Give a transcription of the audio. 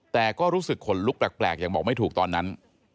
แต่ก็รู้สึกขนลุกแปลกยังบอกไม่ถูกตอนนั้น